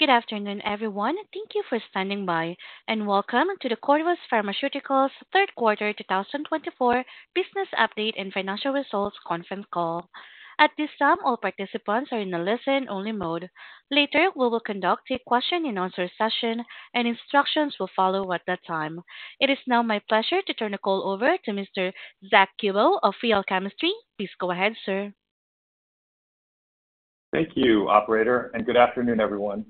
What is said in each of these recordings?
Good afternoon, everyone. Thank you for standing by, and welcome to the Corvus Pharmaceuticals' Third Quarter 2024 Business Update and Financial Results Conference Call. At this time, all participants are in the listen-only mode. Later, we will conduct a question-and-answer session, and instructions will follow at that time. It is now my pleasure to turn the call over to Mr. Zack Kubow of Real Chemistry. Please go ahead, sir. Thank you, Operator, and good afternoon, everyone.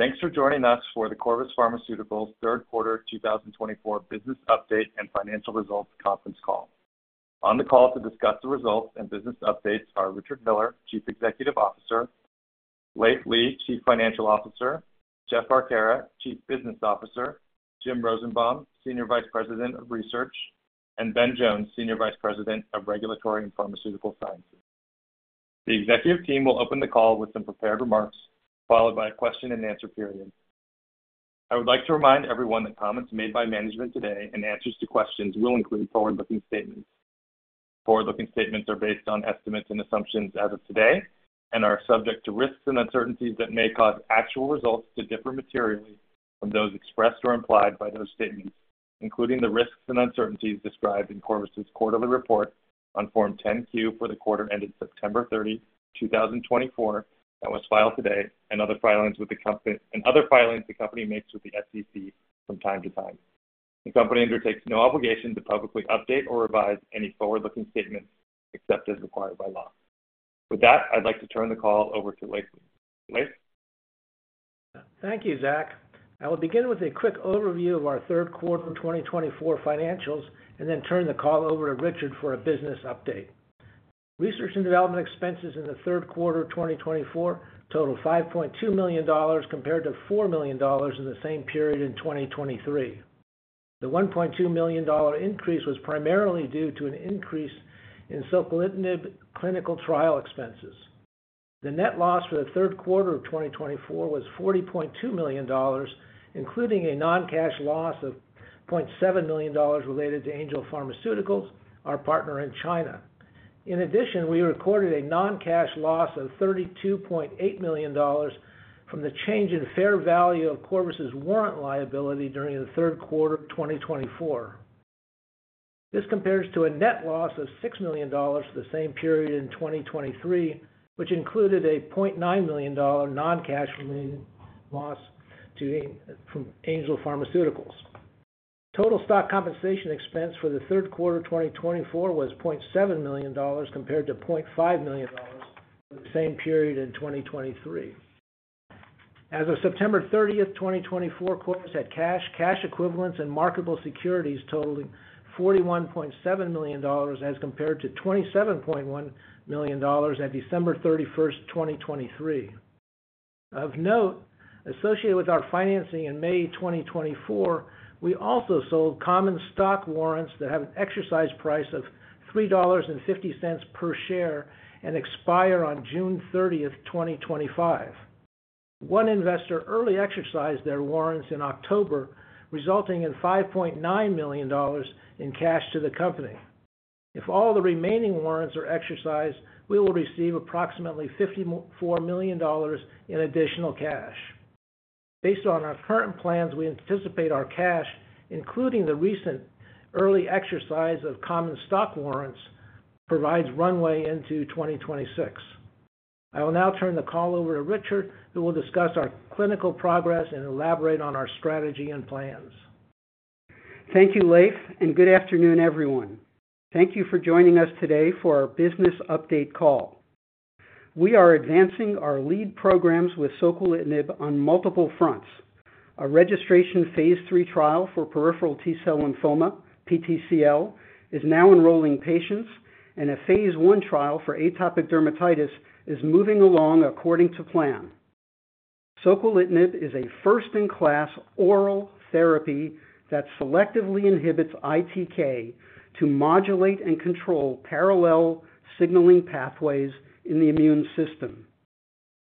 Thanks for joining us for the Corvus Pharmaceuticals' Third Quarter 2024 Business Update and Financial Results Conference Call. On the call to discuss the results and business updates are Richard Miller, Chief Executive Officer, Leiv Lea, Chief Financial Officer, Jeff Arcara, Chief Business Officer, Jim Rosenbaum, Senior Vice President of Research, and Ben Jones, Senior Vice President of Regulatory and Pharmaceutical Sciences. The executive team will open the call with some prepared remarks, followed by a question-and-answer period. I would like to remind everyone that comments made by management today and answers to questions will include forward-looking statements. Forward-looking statements are based on estimates and assumptions as of today and are subject to risks and uncertainties that may cause actual results to differ materially from those expressed or implied by those statements, including the risks and uncertainties described in Corvus' quarterly report on Form 10-Q for the quarter ended September 30, 2024, that was filed today, and other filings the company makes with the SEC from time to time. The company undertakes no obligation to publicly update or revise any forward-looking statements except as required by law. With that, I'd like to turn the call over to Leiv. Leiv? Thank you, Zack. I will begin with a quick overview of our Third Quarter 2024 financials and then turn the call over to Richard for a business update. Research and development expenses in the Third Quarter 2024 total $5.2 million compared to $4 million in the same period in 2023. The $1.2 million increase was primarily due to an increase in soquelitinib clinical trial expenses. The net loss for the Third Quarter of 2024 was $40.2 million, including a non-cash loss of $0.7 million related to Angel Pharmaceuticals, our partner in China. In addition, we recorded a non-cash loss of $32.8 million from the change in fair value of Corvus' warrant liability during the Third Quarter 2024. This compares to a net loss of $6 million for the same period in 2023, which included a $0.9 million non-cash loss from Angel Pharmaceuticals. Total stock compensation expense for the third quarter 2024 was $0.7 million compared to $0.5 million for the same period in 2023. As of September 30, 2024, Corvus had cash, cash equivalents, and marketable securities totaling $41.7 million as compared to $27.1 million at December 31, 2023. Of note, associated with our financing in May 2024, we also sold common stock warrants that have an exercise price of $3.50 per share and expire on June 30, 2025. One investor early exercised their warrants in October, resulting in $5.9 million in cash to the company. If all the remaining warrants are exercised, we will receive approximately $54 million in additional cash. Based on our current plans, we anticipate our cash, including the recent early exercise of common stock warrants, provides runway into 2026. I will now turn the call over to Richard, who will discuss our clinical progress and elaborate on our strategy and plans. Thank you, Leiv, and good afternoon, everyone. Thank you for joining us today for our business update call. We are advancing our lead programs with soquelitinib on multiple fronts. A registration phase III trial for peripheral T-cell lymphoma, PTCL, is now enrolling patients, and a phase I trial for atopic dermatitis is moving along according to plan. Soquelitinib is a first-in-class oral therapy that selectively inhibits ITK to modulate and control parallel signaling pathways in the immune system.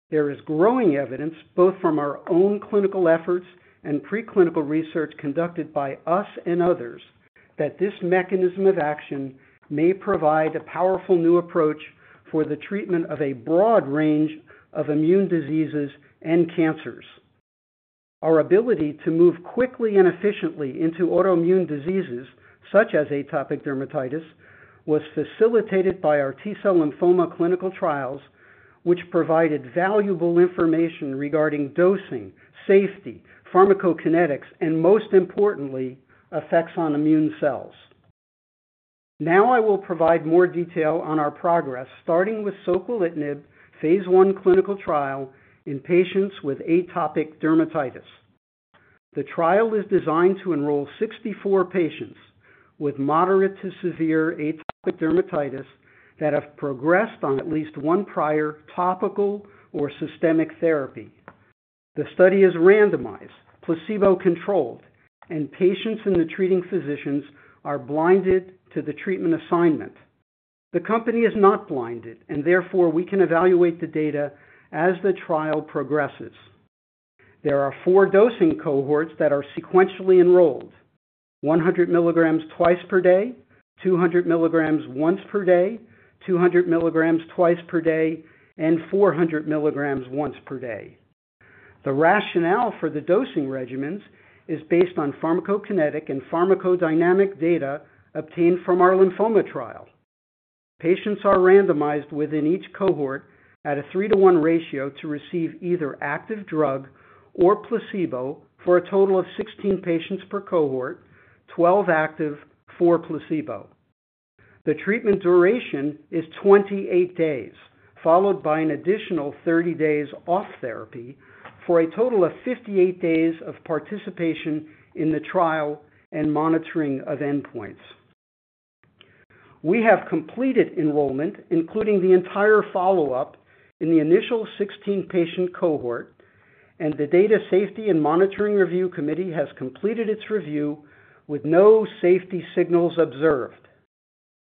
There is growing evidence, both from our own clinical efforts and preclinical research conducted by us and others, that this mechanism of action may provide a powerful new approach for the treatment of a broad range of immune diseases and cancers. Our ability to move quickly and efficiently into autoimmune diseases such as atopic dermatitis was facilitated by our T-cell lymphoma clinical trials, which provided valuable information regarding dosing, safety, pharmacokinetics, and most importantly, effects on immune cells. Now I will provide more detail on our progress, starting with soquelitinib phase I clinical trial in patients with atopic dermatitis. The trial is designed to enroll 64 patients with moderate to severe atopic dermatitis that have progressed on at least one prior topical or systemic therapy. The study is randomized, placebo-controlled, and patients and the treating physicians are blinded to the treatment assignment. The company is not blinded, and therefore we can evaluate the data as the trial progresses. There are four dosing cohorts that are sequentially enrolled: 100 milligrams twice per day, 200 milligrams once per day, 200 milligrams twice per day, and 400 milligrams once per day. The rationale for the dosing regimens is based on pharmacokinetic and pharmacodynamic data obtained from our lymphoma trial. Patients are randomized within each cohort at a 3:1 ratio to receive either active drug or placebo for a total of 16 patients per cohort, 12 active, four placebo. The treatment duration is 28 days, followed by an additional 30 days off therapy for a total of 58 days of participation in the trial and monitoring of endpoints. We have completed enrollment, including the entire follow-up in the initial 16-patient cohort, and the Data Safety and Monitoring Review Committee has completed its review with no safety signals observed.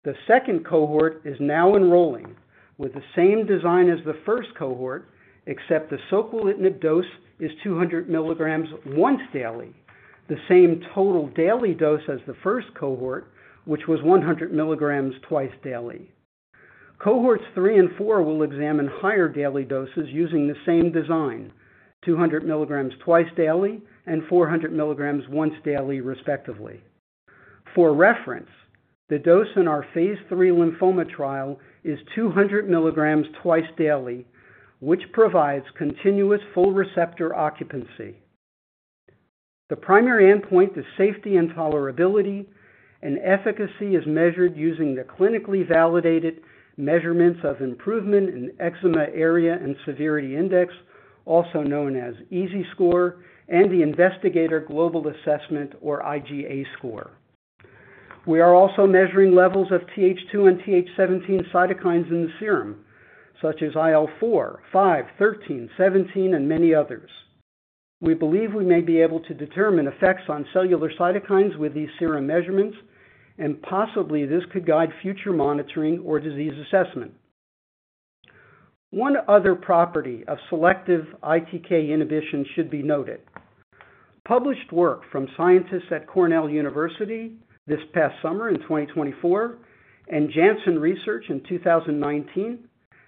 The second cohort is now enrolling with the same design as the first cohort, except the soquelitinib dose is 200 milligrams once daily, the same total daily dose as the first cohort, which was 100 milligrams twice daily. Cohorts 3 and 4 will examine higher daily doses using the same design: 200 milligrams twice daily and 400 milligrams once daily, respectively. For reference, the dose in our phase III lymphoma trial is 200 milligrams twice daily, which provides continuous full receptor occupancy. The primary endpoint is safety and tolerability, and efficacy is measured using the clinically validated measurements of improvement in eczema area and severity index, also known as EASI score, and the Investigator Global Assessment, or IGA Score. We are also measuring levels of TH2 and TH17 cytokines in the serum, such as IL-4, 5, 13, 17, and many others. We believe we may be able to determine effects on cellular cytokines with these serum measurements, and possibly this could guide future monitoring or disease assessment. One other property of selective ITK inhibition should be noted. Published work from scientists at Cornell University this past summer in 2024 and Janssen Research in 2019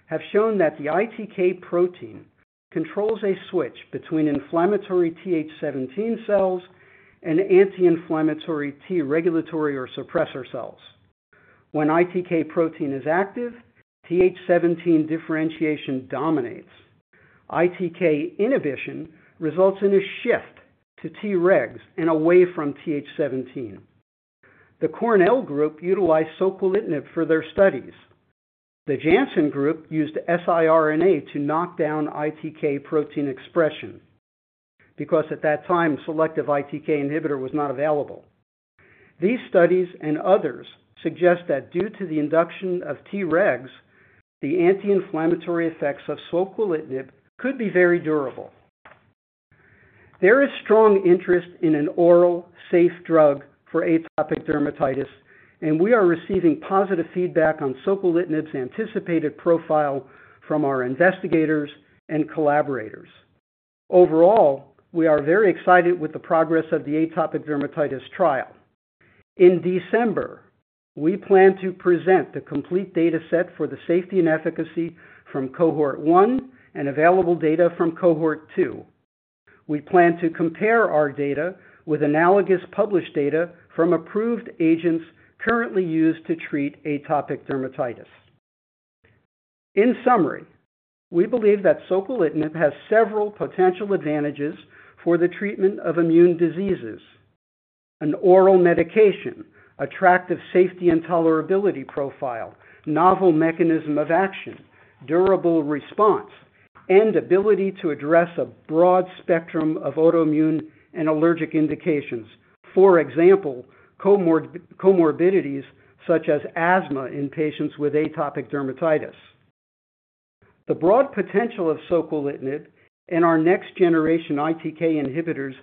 have shown that the ITK protein controls a switch between inflammatory TH17 cells and anti-inflammatory T regulatory or suppressor cells. When ITK protein is active, TH17 differentiation dominates. ITK inhibition results in a shift to T regs and away from TH17. The Cornell group utilized soquelitinib for their studies. The Janssen group used siRNA to knock down ITK protein expression because at that time, selective ITK inhibitor was not available. These studies and others suggest that due to the induction of T regs, the anti-inflammatory effects of soquelitinib could be very durable. There is strong interest in an oral safe drug for atopic dermatitis, and we are receiving positive feedback on soquelitinib's anticipated profile from our investigators and collaborators. Overall, we are very excited with the progress of the atopic dermatitis trial. In December, we plan to present the complete data set for the safety and efficacy from Cohort I and available data from Cohort II. We plan to compare our data with analogous published data from approved agents currently used to treat atopic dermatitis. In summary, we believe that soquelitinib has several potential advantages for the treatment of immune diseases: an oral medication, attractive safety and tolerability profile, novel mechanism of action, durable response, and ability to address a broad spectrum of autoimmune and allergic indications, for example, comorbidities such as asthma in patients with atopic dermatitis. The broad potential of soquelitinib and our next-generation ITK inhibitors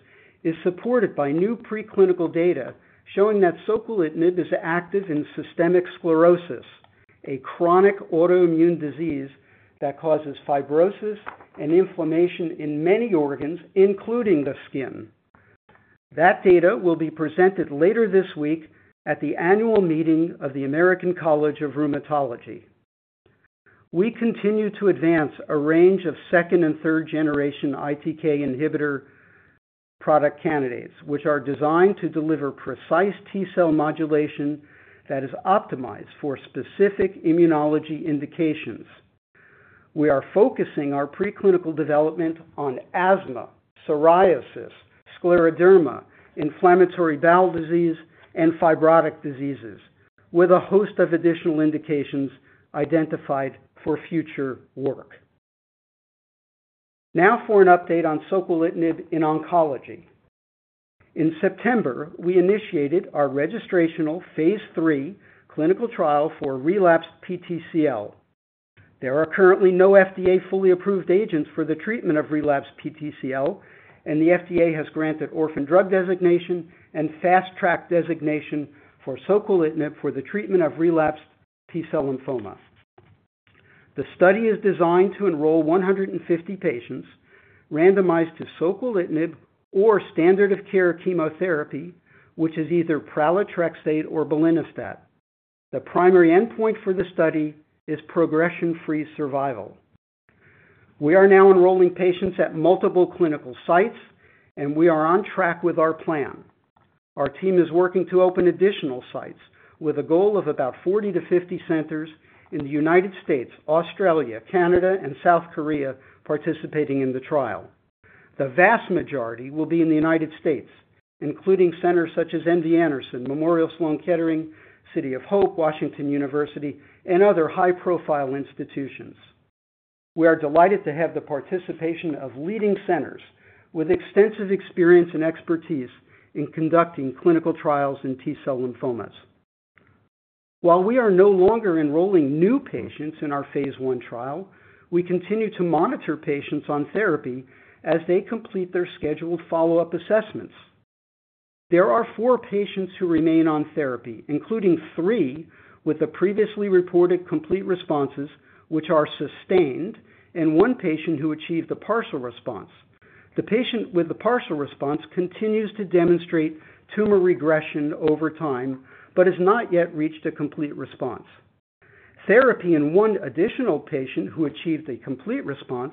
is supported by new preclinical data showing that soquelitinib is active in systemic sclerosis, a chronic autoimmune disease that causes fibrosis and inflammation in many organs, including the skin. That data will be presented later this week at the annual meeting of the American College of Rheumatology. We continue to advance a range of second and third-generation ITK inhibitor product candidates, which are designed to deliver precise T-cell modulation that is optimized for specific immunology indications. We are focusing our preclinical development on asthma, psoriasis, scleroderma, inflammatory bowel disease, and fibrotic diseases, with a host of additional indications identified for future work. Now for an update on soquelitinib in oncology. In September, we initiated our registrational phase III clinical trial for relapsed PTCL. There are currently no FDA fully approved agents for the treatment of relapsed PTCL, and the FDA has granted orphan drug designation and fast-track designation for soquelitinib for the treatment of relapsed T-cell lymphoma. The study is designed to enroll 150 patients randomized to soquelitinib or standard-of-care chemotherapy, which is either pralatrexate or belinostat. The primary endpoint for the study is progression-free survival. We are now enrolling patients at multiple clinical sites, and we are on track with our plan. Our team is working to open additional sites with a goal of about 40 to 50 centers in the United States, Australia, Canada, and South Korea participating in the trial. The vast majority will be in the United States, including centers such as MD Anderson, Memorial Sloan Kettering, City of Hope, Washington University, and other high-profile institutions. We are delighted to have the participation of leading centers with extensive experience and expertise in conducting clinical trials in T-cell lymphomas. While we are no longer enrolling new patients in our phase I trial, we continue to monitor patients on therapy as they complete their scheduled follow-up assessments. There are four patients who remain on therapy, including three with the previously reported complete responses, which are sustained, and one patient who achieved a partial response. The patient with the partial response continues to demonstrate tumor regression over time but has not yet reached a complete response. Therapy in one additional patient who achieved a complete response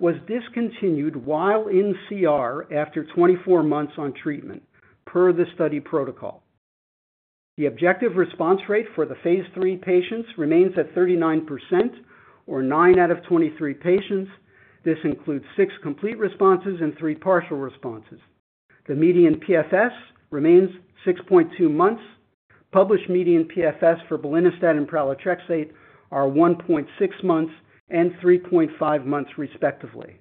was discontinued while in CR after 24 months on treatment, per the study protocol. The objective response rate for the phase III patients remains at 39%, or nine out of 23 patients. This includes six complete responses and three partial responses. The median PFS remains 6.2 months. Published median PFS for vorinostat and pralatrexate are 1.6 months and 3.5 months, respectively.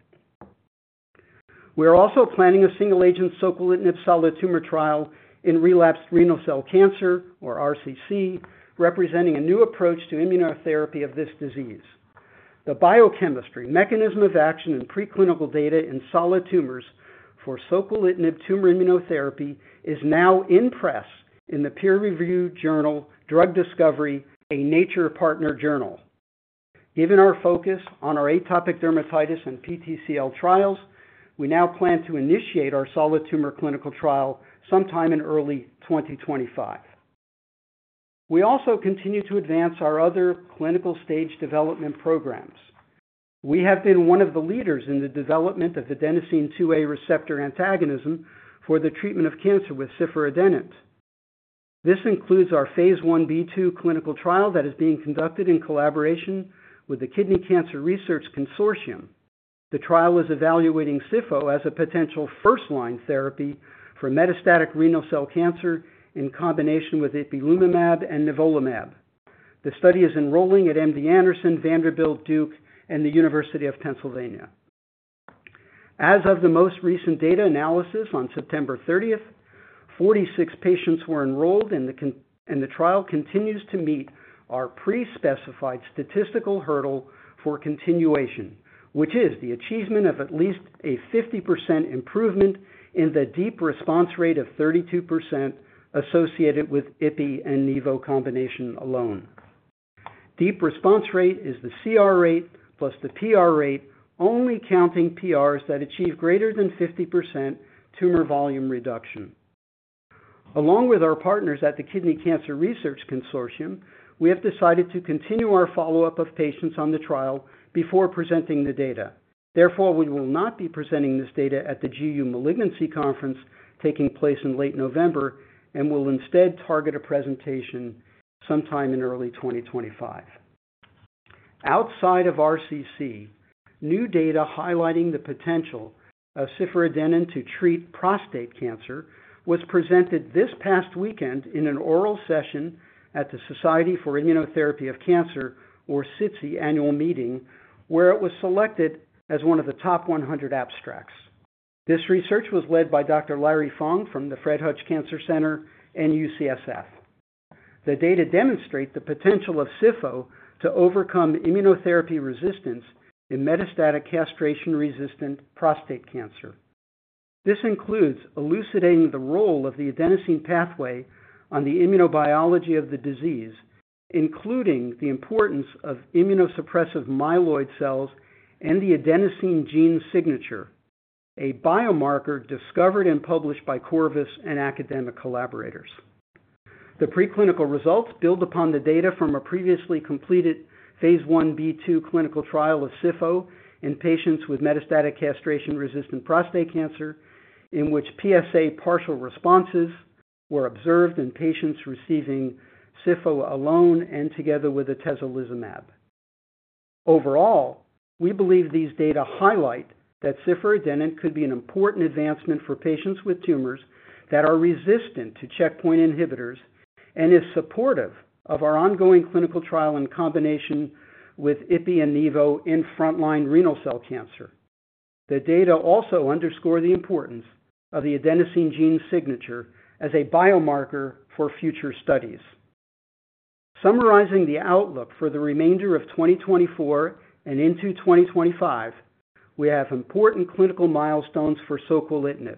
We are also planning a single-agent soquelitinib solid tumor trial in relapsed renal cell cancer, or RCC, representing a new approach to immunotherapy of this disease. The biochemistry, mechanism of action, and preclinical data in solid tumors for soquelitinib tumor immunotherapy is now in press in the peer-reviewed journal Drug Discovery, a Nature partner journal. Given our focus on our atopic dermatitis and PTCL trials, we now plan to initiate our solid tumor clinical trial sometime in early 2025. We also continue to advance our other clinical stage development programs. We have been one of the leaders in the development of the adenosine A2A receptor antagonism for the treatment of cancer with ciforadenant. This includes our phase 1b/2 clinical trial that is being conducted in collaboration with the Kidney Cancer Research Consortium. The trial is evaluating ciforadenant as a potential first-line therapy for metastatic renal cell cancer in combination with ipilimumab and nivolumab. The study is enrolling at MD Anderson, Vanderbilt, Duke, and the University of Pennsylvania. As of the most recent data analysis on September 30th, 46 patients were enrolled, and the trial continues to meet our pre-specified statistical hurdle for continuation, which is the achievement of at least a 50% improvement in the deep response rate of 32% associated with Ipi and Nivo combination alone. Deep response rate is the CR rate plus the PR rate, only counting PRs that achieve greater than 50% tumor volume reduction. Along with our partners at the Kidney Cancer Research Consortium, we have decided to continue our follow-up of patients on the trial before presenting the data. Therefore, we will not be presenting this data at the GU Malignancy Conference taking place in late November and will instead target a presentation sometime in early 2025. Outside of RCC, new data highlighting the potential of ciforadenant to treat prostate cancer was presented this past weekend in an oral session at the Society for Immunotherapy of Cancer, or SITC, annual meeting, where it was selected as one of the top 100 abstracts. This research was led by Dr. Larry Fong from the Fred Hutch Cancer Center and UCSF. The data demonstrate the potential of ciforadenant to overcome immunotherapy resistance in metastatic castration-resistant prostate cancer. This includes elucidating the role of the adenosine pathway on the immunobiology of the disease, including the importance of immunosuppressive myeloid cells and the adenosine gene signature, a biomarker discovered and published by Corvus and academic collaborators. The preclinical results build upon the data from a previously completed phase 1b/2 clinical trial of ciforadenant in patients with metastatic castration-resistant prostate cancer, in which PSA partial responses were observed in patients receiving ciforadenant alone and together with atezolizumab. Overall, we believe these data highlight that ciforadenant could be an important advancement for patients with tumors that are resistant to checkpoint inhibitors and is supportive of our ongoing clinical trial in combination with Ipi and Nivo in frontline renal cell cancer. The data also underscore the importance of the adenosine gene signature as a biomarker for future studies. Summarizing the outlook for the remainder of 2024 and into 2025, we have important clinical milestones for soquelitinib.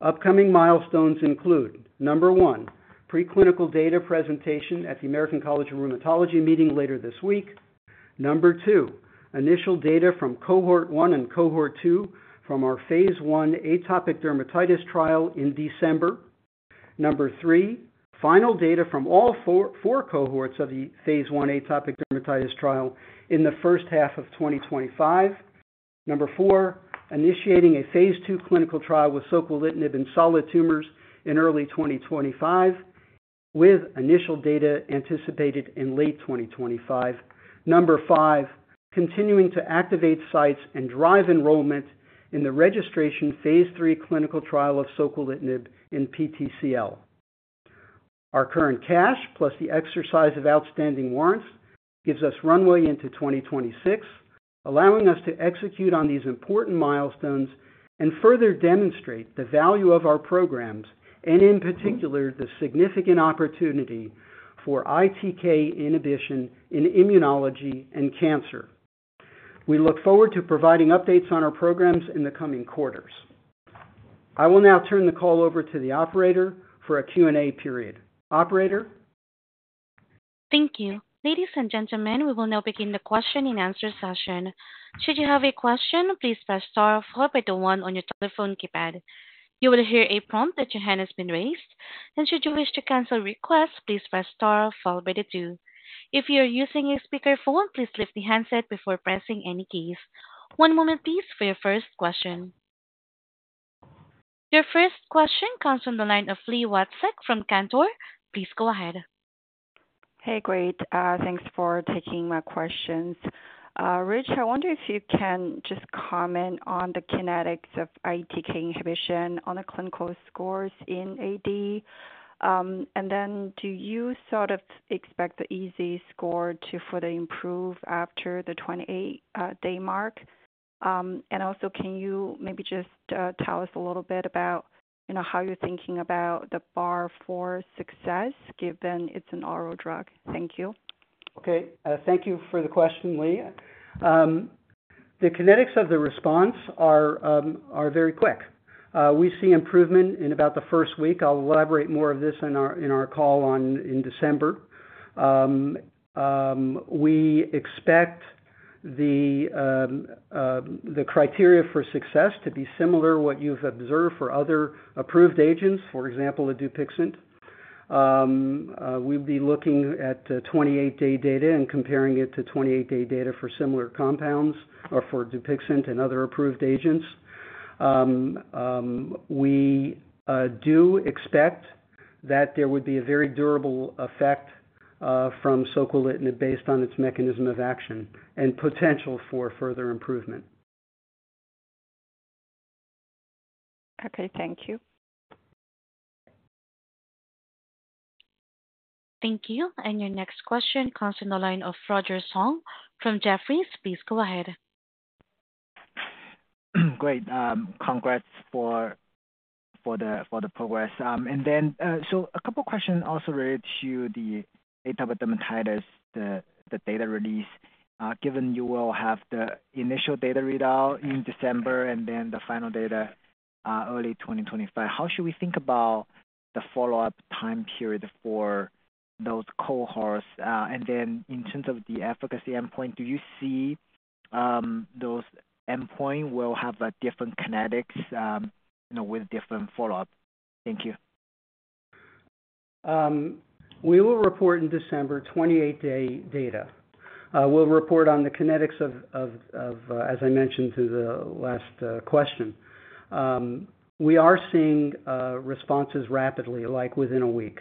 Upcoming milestones include: Number one, preclinical data presentation at the American College of Rheumatology meeting later this week. Number two, initial data from Cohort I and Cohort II from our phase I atopic dermatitis trial in December. Number three, final data from all four cohorts of the phase I atopic dermatitis trial in the first half of 2025. Number four, initiating a phase II clinical trial with soquelitinib in solid tumors in early 2025, with initial data anticipated in late 2025. Number five, continuing to activate sites and drive enrollment in the registration phase III clinical trial of soquelitinib in PTCL. Our current cash, plus the exercise of outstanding warrants, gives us runway into 2026, allowing us to execute on these important milestones and further demonstrate the value of our programs and, in particular, the significant opportunity for ITK inhibition in immunology and cancer. We look forward to providing updates on our programs in the coming quarters. I will now turn the call over to the operator for a Q&A period. Operator? Thank you. Ladies and gentlemen, we will now begin the question and answer session. Should you have a question, please press * or follow up by the one on your telephone keypad. You will hear a prompt that your hand has been raised, and should you wish to cancel a request, please press * or follow up by the two. If you are using a speakerphone, please lift the handset before pressing any keys. One moment, please, for your first question. Your first question comes from the line of Li Watsek from Cantor. Please go ahead. Hey, great. Thanks for taking my questions. Rich, I wonder if you can just comment on the kinetics of ITK inhibition on the clinical scores in AD. And then, do you sort of expect the EASI score to further improve after the 28-day mark? And also, can you maybe just tell us a little bit about how you're thinking about the bar for success, given it's an oral drug? Thank you. Okay. Thank you for the question, Lea. The kinetics of the response are very quick. We see improvement in about the first week. I'll elaborate more of this in our call in December. We expect the criteria for success to be similar to what you've observed for other approved agents, for example, Dupixent. We'll be looking at 28-day data and comparing it to 28-day data for similar compounds or for Dupixent and other approved agents. We do expect that there would be a very durable effect from soquelitinib based on its mechanism of action and potential for further improvement. Okay. Thank you. Thank you. And your next question comes from the line of Roger Song from Jefferies. Please go ahead. Great. Congrats for the progress. And then, so a couple of questions also related to the atopic dermatitis, the data release. Given you will have the initial data readout in December and then the final data early 2025, how should we think about the follow-up time period for those cohorts? And then, in terms of the efficacy endpoint, do you see those endpoints will have different kinetics with different follow-up? Thank you. We will report in December, 28-day data. We'll report on the kinetics of, as I mentioned to the last question. We are seeing responses rapidly, like within a week.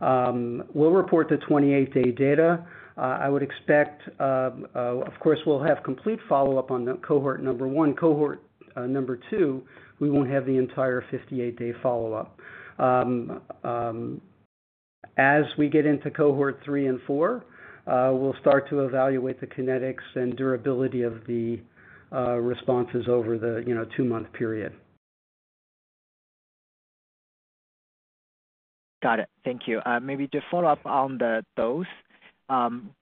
We'll report the 28-day data. I would expect, of course, we'll have complete follow-up on cohort number one. Cohort number two, we won't have the entire 58-day follow-up. As we get into cohort three and four, we'll start to evaluate the kinetics and durability of the responses over the two-month period. Got it. Thank you. Maybe to follow up on the dose,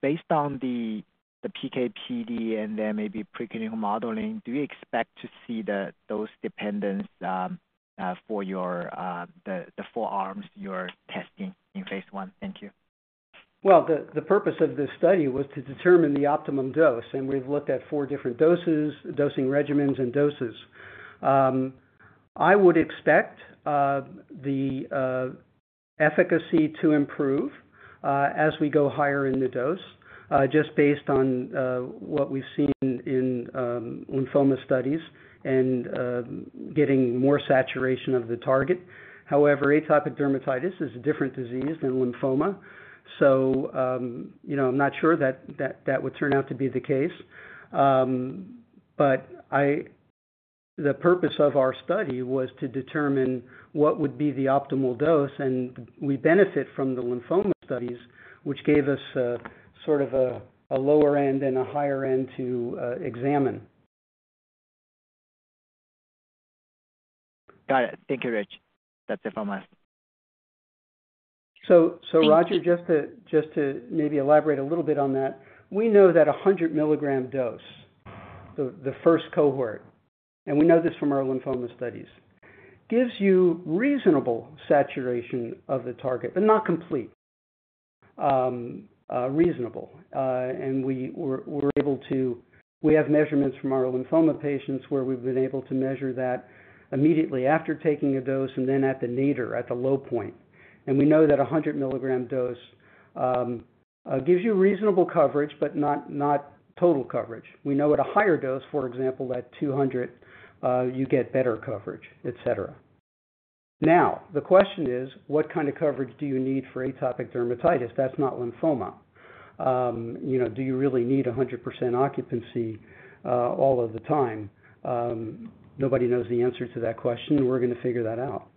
based on the PK/PD and then maybe preclinical modeling, do you expect to see the dose dependence for the four arms you're testing in phase I? Thank you. Well, the purpose of this study was to determine the optimum dose, and we've looked at four different doses, dosing regimens, and doses. I would expect the efficacy to improve as we go higher in the dose, just based on what we've seen in lymphoma studies and getting more saturation of the target. However, atopic dermatitis is a different disease than lymphoma, so I'm not sure that that would turn out to be the case. But the purpose of our study was to determine what would be the optimal dose, and we benefit from the lymphoma studies, which gave us sort of a lower end and a higher end to examine. Got it. Thank you, Rich. That's it from us. So, Roger, just to maybe elaborate a little bit on that, we know that 100-milligram dose, the first cohort, and we know this from our lymphoma studies, gives you reasonable saturation of the target, but not complete, reasonable. And we're able to. We have measurements from our lymphoma patients where we've been able to measure that immediately after taking a dose and then at the nadir, at the low point. And we know that 100-milligram dose gives you reasonable coverage, but not total coverage. We know at a higher dose, for example, at 200, you get better coverage, etc. Now, the question is, what kind of coverage do you need for atopic dermatitis? That's not lymphoma. Do you really need 100% occupancy all of the time? Nobody knows the answer to that question. We're going to figure that out.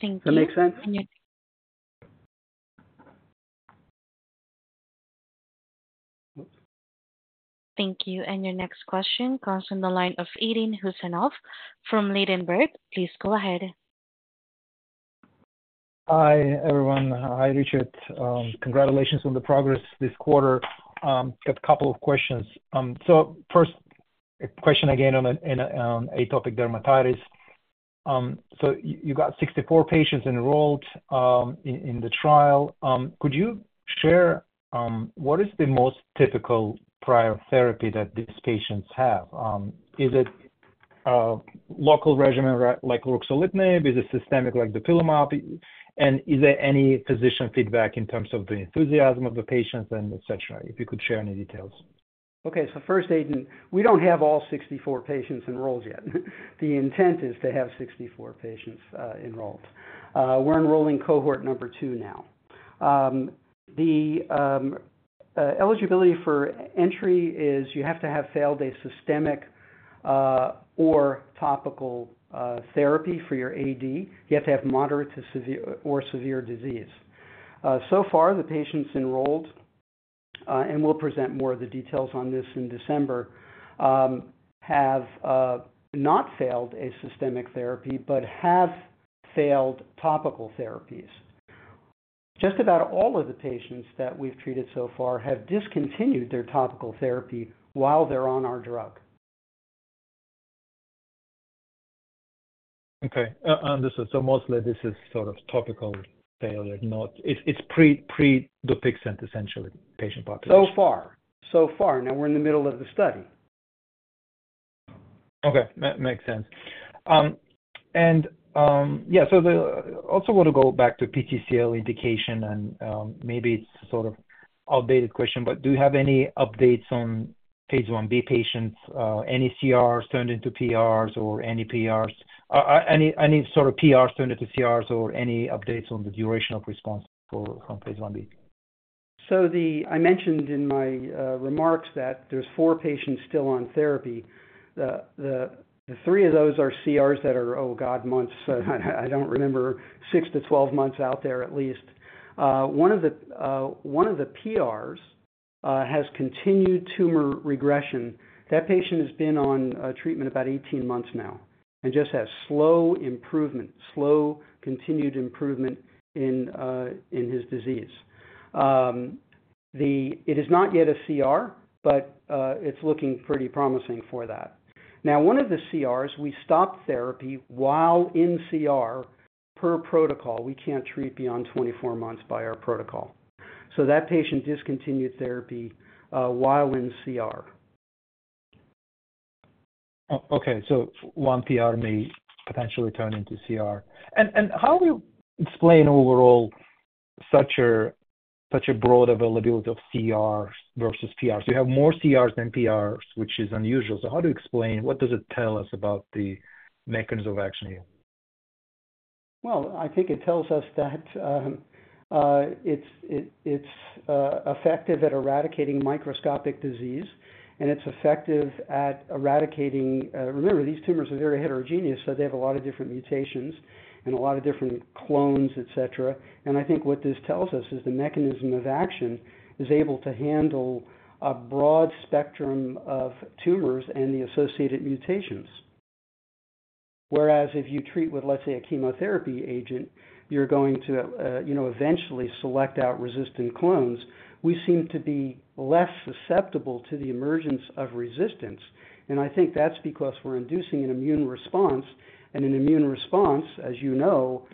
Thank you. That makes sense? Thank you. And your next question comes from the line of Aydin Huseynov from Ladenburg. Please go ahead. Hi, everyone. Hi, Richard. Congratulations on the progress this quarter. Got a couple of questions. So first, a question again on atopic dermatitis. So you got 64 patients enrolled in the trial. Could you share what is the most typical prior therapy that these patients have? Is it a local regimen like ruxolitinib? Is it systemic like dupilumab? And is there any physician feedback in terms of the enthusiasm of the patients and etc.? If you could share any details. Okay. So first, Eden, we don't have all 64 patients enrolled yet. The intent is to have 64 patients enrolled. We're enrolling cohort number two now. The eligibility for entry is you have to have failed a systemic or topical therapy for your AD. You have to have moderate or severe disease. So far, the patients enrolled (and we'll present more of the details on this in December) have not failed a systemic therapy but have failed topical therapies. Just about all of the patients that we've treated so far have discontinued their topical therapy while they're on our drug. Okay. So mostly, this is sort of topical failure. It's pre-Dupixent, essentially, patient population. So far. So far. Now, we're in the middle of the study. Okay. Makes sense. Yeah, so I also want to go back to PTCL indication, and maybe it's a sort of outdated question, but do you have any updates on phase 1B patients? Any CRs turned into PRs or any PRs? Any sort of PRs turned into CRs or any updates on the duration of response for phase 1B? I mentioned in my remarks that there are four patients still on therapy. The three of those are CRs that are, oh God, months. I don't remember. 6-12 months out there, at least. One of the PRs has continued tumor regression. That patient has been on treatment about 18 months now and just has slow improvement, slow continued improvement in his disease. It is not yet a CR, but it's looking pretty promising for that. Now, one of the CRs, we stopped therapy while in CR per protocol. We can't treat beyond 24 months by our protocol. So that patient discontinued therapy while in CR. Okay. So one PR may potentially turn into CR. And how do you explain overall such a broad availability of CRs versus PRs? You have more CRs than PRs, which is unusual. So how do you explain? What does it tell us about the mechanism of action here? Well, I think it tells us that it's effective at eradicating microscopic disease, and it's effective at eradicating, remember, these tumors are very heterogeneous, so they have a lot of different mutations and a lot of different clones, etc. And I think what this tells us is the mechanism of action is able to handle a broad spectrum of tumors and the associated mutations. Whereas if you treat with, let's say, a chemotherapy agent, you're going to eventually select out resistant clones, we seem to be less susceptible to the emergence of resistance, and I think that's because we're inducing an immune response, and an immune response, as you know,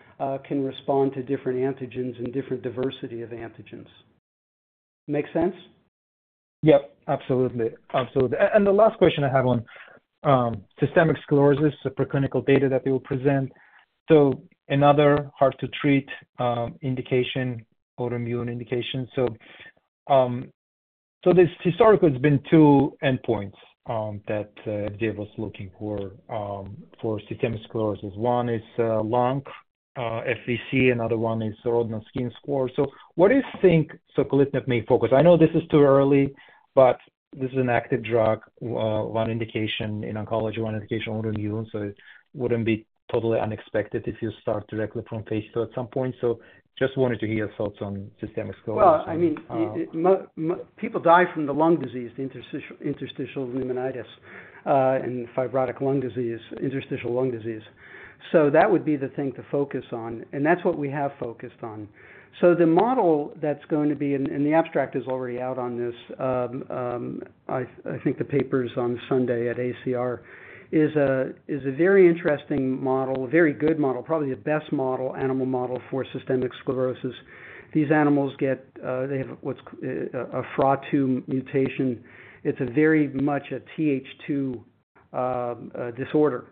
can respond to different antigens and different diversity of antigens. Makes sense? Yep. Absolutely. Absolutely. And the last question I have on systemic sclerosis, the preclinical data that they will present, so another hard-to-treat indication, autoimmune indication, so historically, it's been two endpoints that they were looking for systemic sclerosis. One is lung, FVC, and the other one is Rodnan skin score, so what do you think soquelitinib may focus? I know this is too early, but this is an active drug, one indication in oncology, one indication in autoimmune, so it wouldn't be totally unexpected if you start directly from phase II at some point, so just wanted to hear your thoughts on systemic sclerosis. Well, I mean, people die from the lung disease, the interstitial pneumonitis and fibrotic lung disease, interstitial lung disease, so that would be the thing to focus on, and that's what we have focused on, so the model that's going to be, and the abstract is already out on this, I think the paper's on Sunday at ACR, is a very interesting model, a very good model, probably the best animal model for systemic sclerosis. These animals get, they have what's a FRA2 mutation, it's very much a TH2 disorder,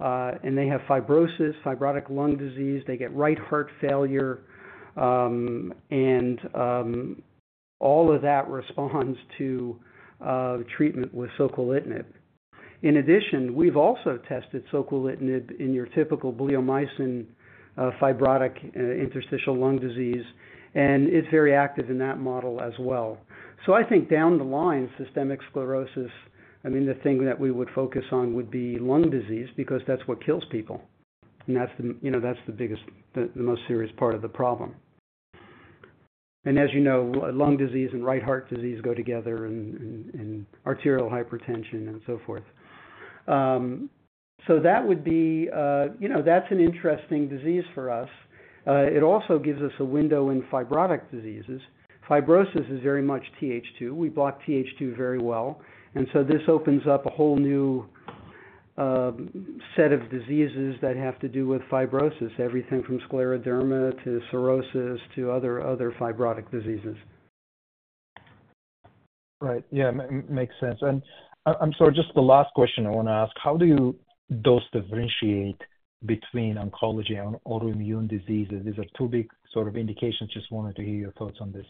and they have fibrosis, fibrotic lung disease. They get right heart failure, and all of that responds to treatment with soquelitinib. In addition, we've also tested soquelitinib in your typical idiopathic fibrotic interstitial lung disease, and it's very active in that model as well. I think down the line, systemic sclerosis. I mean, the thing that we would focus on would be lung disease because that's what kills people, and that's the biggest, the most serious part of the problem. As you know, lung disease and right heart disease go together and arterial hypertension and so forth. That would be. That's an interesting disease for us. It also gives us a window in fibrotic diseases. Fibrosis is very much TH2. We block TH2 very well. This opens up a whole new set of diseases that have to do with fibrosis, everything from scleroderma to cirrhosis to other fibrotic diseases. Right. Yeah. Makes sense. I'm sorry, just the last question I want to ask. How do you differentiate dosing between oncology and autoimmune diseases? These are two big sort of indications. Just wanted to hear your thoughts on this.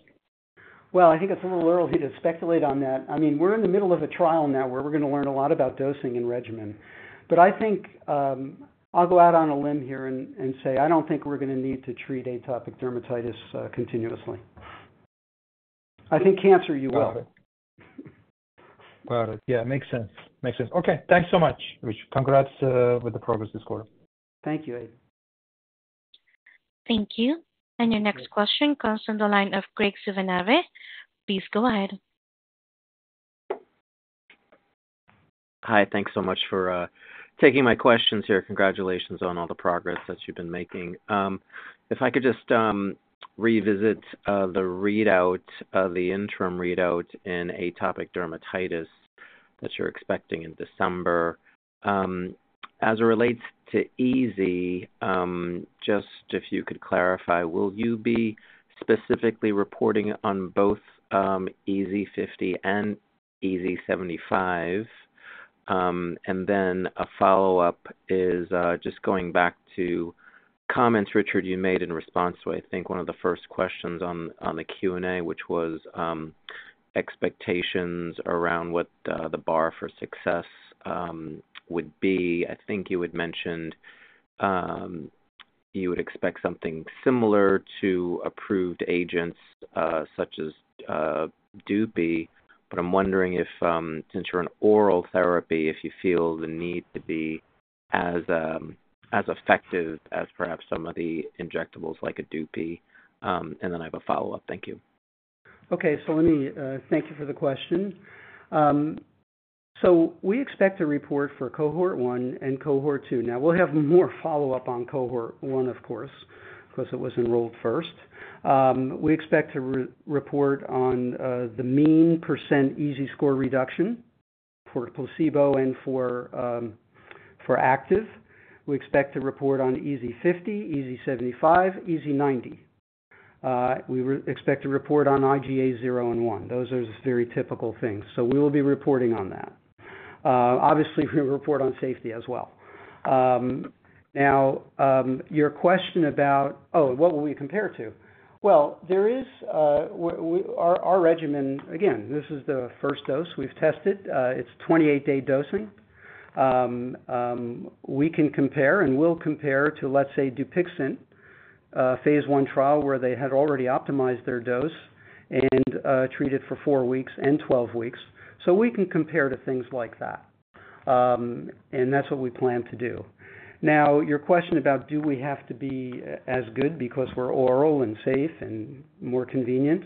Well, I think it's a little early to speculate on that. I mean, we're in the middle of a trial now where we're going to learn a lot about dosing and regimen. But I think I'll go out on a limb here and say I don't think we're going to need to treat atopic dermatitis continuously. I think cancer, you will. Got it. Got it. Yeah. Makes sense. Makes sense. Okay. Thanks so much, Richard. Congrats with the progress this quarter. Thank you, Eden. Thank you. Your next question comes from the line of Graig Suvannavejh. Please go ahead. Hi. Thanks so much for taking my questions here. Congratulations on all the progress that you've been making. If I could just revisit the readout, the interim readout in atopic dermatitis that you're expecting in December? As it relates to EASI, just if you could clarify, will you be specifically reporting on both EASI-50 and EASI-75? And then a follow-up is just going back to comments, Richard, you made in response to, I think, one of the first questions on the Q&A, which was expectations around what the bar for success would be. I think you had mentioned you would expect something similar to approved agents such as Dupi, but I'm wondering if, since you're on oral therapy, if you feel the need to be as effective as perhaps some of the injectables like a Dupi. And then I have a follow-up. Thank you. Okay. So thank you for the question. So we expect to report for cohort one and cohort two. Now, we'll have more follow-up on cohort one, of course, because it was enrolled first. We expect to report on the mean % EASI score reduction for placebo and for active. We expect to report on EASI-50, EASI-75, EASI-90. We expect to report on IGA 0 and 1. Those are very typical things. So we will be reporting on that. Obviously, we report on safety as well. Now, your question about, "Oh, what will we compare to?" Well, our regimen, again, this is the first dose we've tested. It's 28-day dosing. We can compare and will compare to, let's say, Dupixent phase I trial where they had already optimized their dose and treated for 4 weeks and 12 weeks. So we can compare to things like that. And that's what we plan to do. Now, your question about, "Do we have to be as good because we're oral and safe and more convenient?"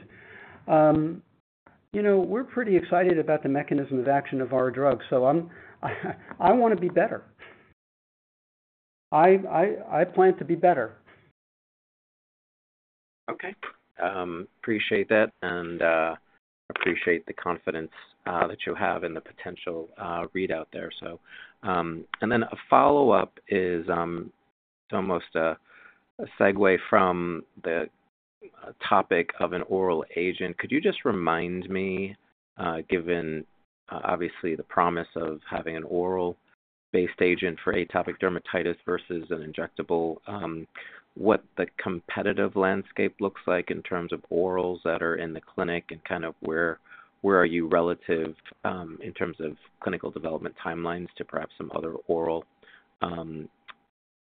We're pretty excited about the mechanism of action of our drug. So I want to be better. I plan to be better. Okay. Appreciate that and appreciate the confidence that you have in the potential readout there, so, and then a follow-up is almost a segue from the topic of an oral agent. Could you just remind me, given obviously the promise of having an oral-based agent for atopic dermatitis versus an injectable, what the competitive landscape looks like in terms of orals that are in the clinic and kind of where are you relative in terms of clinical development timelines to perhaps some other oral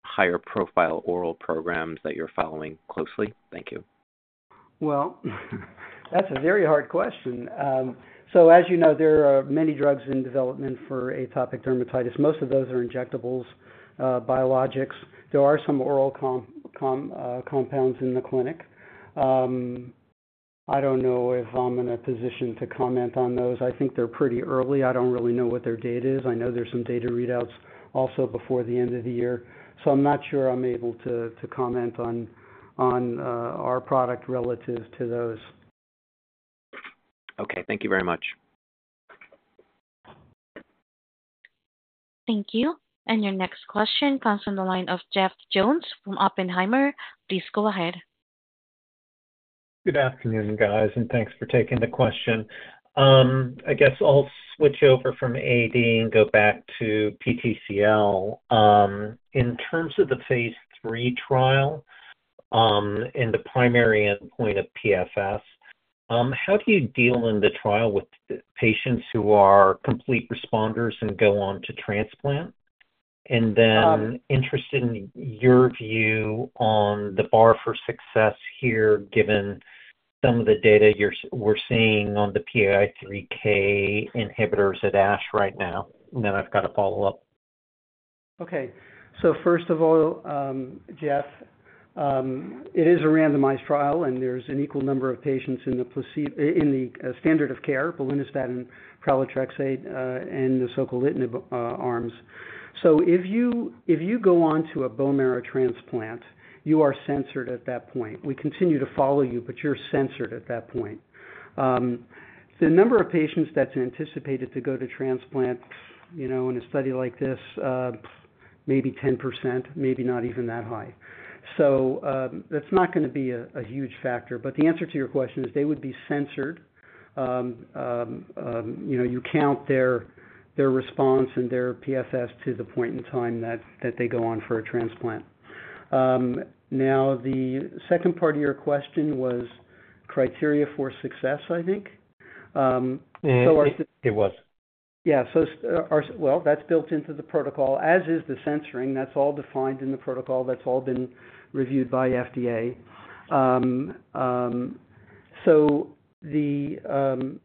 higher-profile oral programs that you're following closely? Thank you, well, that's a very hard question. So as you know, there are many drugs in development for atopic dermatitis. Most of those are injectables, biologics. There are some oral compounds in the clinic. I don't know if I'm in a position to comment on those. I think they're pretty early. I don't really know what their data is. I know there's some data readouts also before the end of the year. So I'm not sure I'm able to comment on our product relative to those. Okay. Thank you very much. Thank you. And your next question comes from the line of Jeff Jones from Oppenheimer. Please go ahead. Good afternoon, guys, and thanks for taking the question. I guess I'll switch over from AD and go back to PTCL. In terms of the phase III trial and the primary endpoint of PFS, how do you deal in the trial with patients who are complete responders and go on to transplant? And then interested in your view on the bar for success here given some of the data we're seeing on the PI3K inhibitors at ASH right now. And then I've got a follow-up. Okay. So first of all, Jeff, it is a randomized trial, and there's an equal number of patients in the standard of care, belinostat and pralatrexate, and the soquelitinib arms. So if you go on to a bone marrow transplant, you are censored at that point. We continue to follow you, but you're censored at that point. The number of patients that's anticipated to go to transplant in a study like this is maybe 10%, maybe not even that high. So that's not going to be a huge factor. But the answer to your question is they would be censored. You count their response and their PFS to the point in time that they go on for a transplant. Now, the second part of your question was criteria for success, I think. It was. Yeah. Well, that's built into the protocol, as is the censoring. That's all defined in the protocol. That's all been reviewed by FDA. So the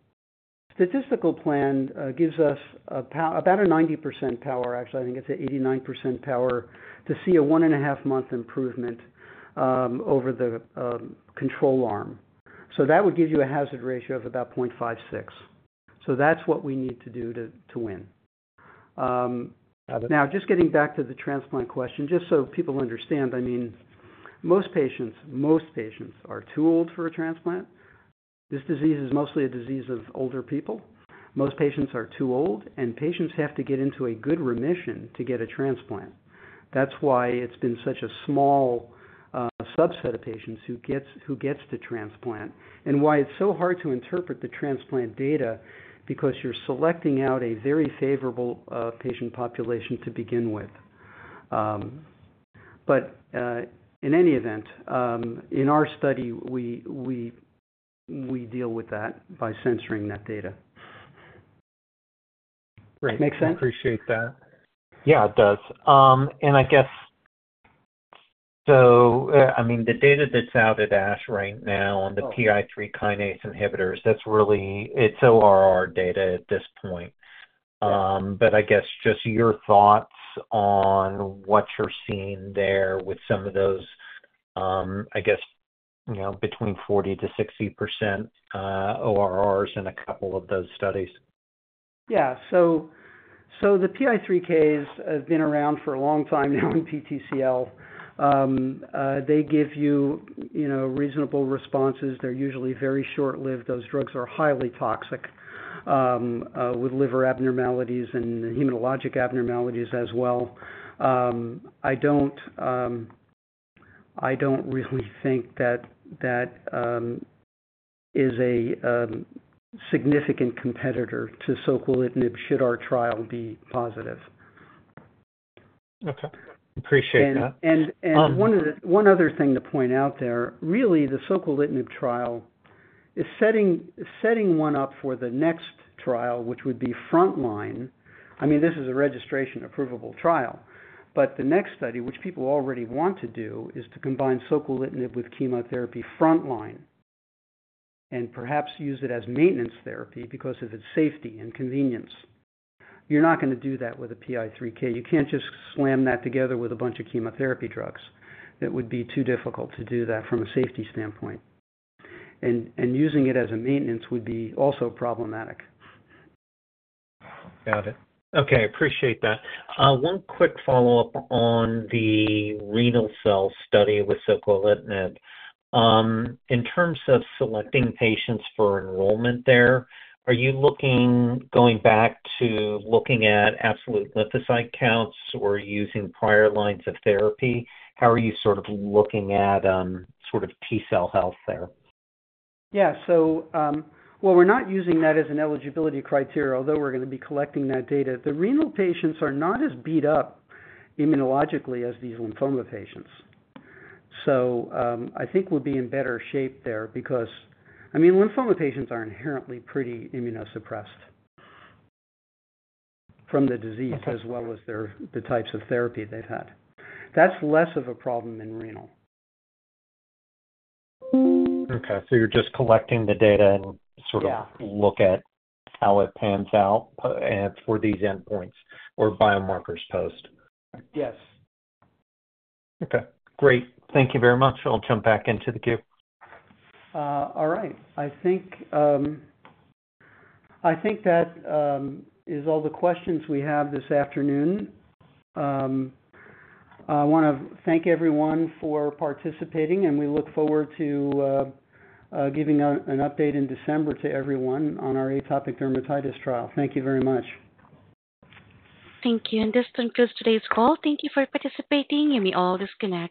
statistical plan gives us about a 90% power, actually. I think it's an 89% power to see a one-and-a-half-month improvement over the control arm. So that would give you a hazard ratio of about 0.56. So that's what we need to do to win. Now, just getting back to the transplant question, just so people understand, I mean, most patients, most patients are too old for a transplant. This disease is mostly a disease of older people. Most patients are too old, and patients have to get into a good remission to get a transplant. That's why it's been such a small subset of patients who gets the transplant and why it's so hard to interpret the transplant data because you're selecting out a very favorable patient population to begin with. But in any event, in our study, we deal with that by censoring that data. Makes sense? I appreciate that. Yeah, it does. And I guess, so I mean, the data that's out at ASH right now on the PI3 kinase inhibitors, that's really, it's ORR data at this point. But I guess just your thoughts on what you're seeing there with some of those, I guess, between 40%-60% ORRs in a couple of those studies. Yeah. So the PI3Ks have been around for a long time now in PTCL. They give you reasonable responses. They're usually very short-lived. Those drugs are highly toxic with liver abnormalities and hematologic abnormalities as well. I don't really think that that is a significant competitor to soquelitinib should our trial be positive. Okay. Appreciate that. And one other thing to point out there, really, the soquelitinib trial is setting one up for the next trial, which would be frontline. I mean, this is a registration-approvable trial. But the next study, which people already want to do, is to combine soquelitinib with chemotherapy frontline and perhaps use it as maintenance therapy because of its safety and convenience. You're not going to do that with a PI3K. You can't just slam that together with a bunch of chemotherapy drugs. It would be too difficult to do that from a safety standpoint. And using it as a maintenance would be also problematic. Got it. Okay. Appreciate that. One quick follow-up on the renal cell study with soquelitinib. In terms of selecting patients for enrollment there, are you looking, going back to looking at absolute lymphocyte counts or using prior lines of therapy? How are you sort of looking at sort of T-cell health there? Yeah. So well, we're not using that as an eligibility criteria, although we're going to be collecting that data. The renal patients are not as beat up immunologically as these lymphoma patients. So I think we'll be in better shape there because, I mean, lymphoma patients are inherently pretty immunosuppressed from the disease as well as the types of therapy they've had. That's less of a problem in renal. Okay. So you're just collecting the data and sort of look at how it pans out for these endpoints or biomarkers post? Yes. Okay. Great. Thank you very much. I'll jump back into the queue. All right. I think that is all the questions we have this afternoon. I want to thank everyone for participating, and we look forward to giving an update in December to everyone on our atopic dermatitis trial. Thank you very much. Thank you. And this concludes today's call. Thank you for participating. You may all disconnect.